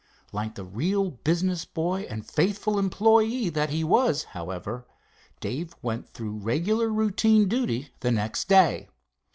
Like the real business boy and faithful employe that he was, however, Dave went through regular routine duty the next day.